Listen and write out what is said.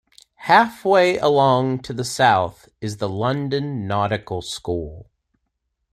Halfway along to the south is the London Nautical School.